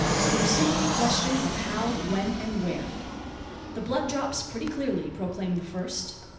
It was simply a question of how, when, and where. The blood drops pretty clearly, proclaimed the first.